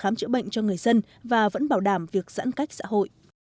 khám chữa bệnh cho người dân và vẫn bảo đảm việc giãn cách xã hội